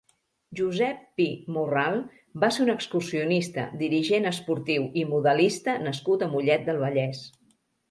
Josep Pi Morral va ser un excursionista, dirigent esportiu i modelista nascut a Mollet del Vallès.